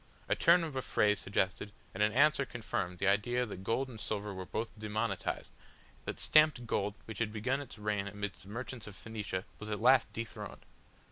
A turn of a phrase suggested, and an answer confirmed the idea that gold and silver were both demonetised, that stamped gold which had begun its reign amidst the merchants of Phoenicia was at last dethroned.